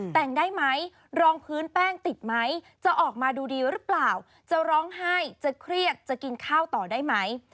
แต่งได้ไหมรองพื้นแป้งติดไหมจะออกมาดูดีหรือเปล่าจะร้องไห้จะเครียดจะกินข้าวต่อได้ไหม